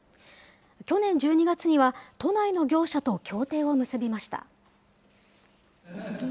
去年１２月には、都内の業者と協定を結びました。